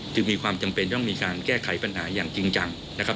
จึงมีความจำเป็นต้องมีการแก้ไขปัญหาอย่างจริงจังนะครับ